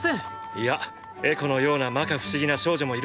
いやエコのような摩訶不思議な少女もいるんだ。